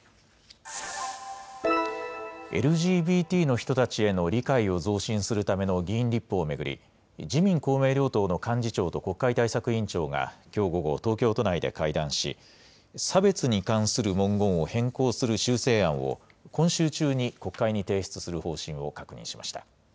ＬＧＢＴの人たちへの理解を増進するための議員立法を巡り、自民、公明両党の幹事長と国会対策委員長がきょう午後、東京都内で会談し、差別に関する文言を変更する修正案を、今週中に国会に提出する方針を確認しました。